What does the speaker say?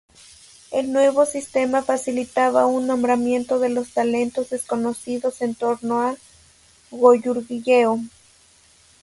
El nuevo sistema facilitaba un nombramiento de los talentos desconocidos en torno a Goguryeo.